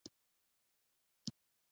رسۍ د پوهانو مثال هم کېږي.